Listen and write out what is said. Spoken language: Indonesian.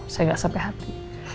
saya enggak sampai hati